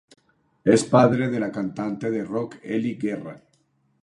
Es padre de la cantante de rock Ely Guerra.